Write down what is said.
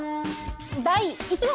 第１問！